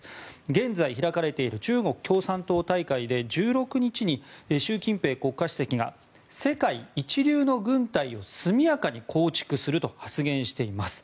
現在開かれている中国共産党大会で１６日に習近平国家主席が世界一流の軍隊を速やかに構築すると発言しています。